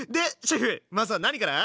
シェフまずは何から？